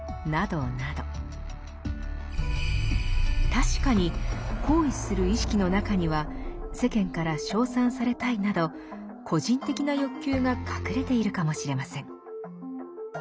確かに行為する意識の中には世間から称賛されたいなど個人的な欲求が隠れているかもしれません。